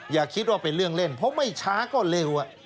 อย่าคิดว่าเป็นเรื่องเล่นเพราะไม่ช้าก็เร็ว